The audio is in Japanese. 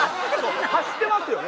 発してますよね